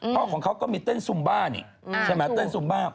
เพราะของเขาก็มีเต้นสุบ้าน